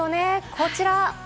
こちら！